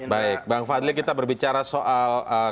baik bang fadli kita berbicara soal